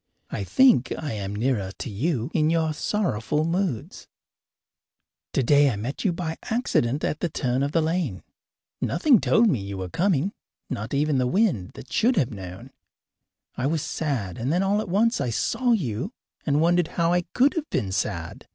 I think I am nearer to you in your sorrowful moods. Today I met you by accident at the turn of the lane. Nothing told me that you were coming not even the wind, that should have known. I was sad, and then all at once I saw you, and wondered how I could have been sad.